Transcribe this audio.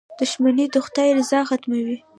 • دښمني د خدای رضا ختموي.